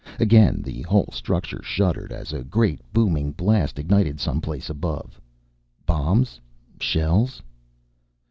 Again the whole structure shuddered as a great booming blast ignited some place above. Bombs? Shells?